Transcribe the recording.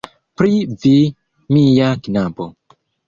Pri vi, mia knabo.